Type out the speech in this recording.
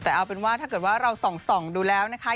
แต่เอาเป็นว่าถ้าเกิดว่าเราส่องดูแล้วนะคะ